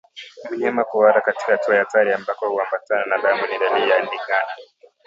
Mnyama kuhara katika hatua ya hatari ambako huambatana na damu ni dalili ya ndigana